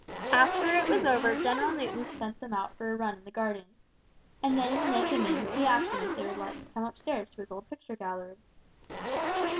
After it was over General Newton sent them out for a run in the garden. And then when they came in, he asked them if they would like to come upstairs to his old picture gallery.